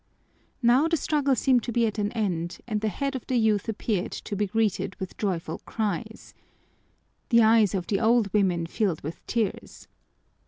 Now the struggle seemed to be at an end and the head of the youth appeared, to be greeted with joyful cries. The eyes of the old women filled with tears.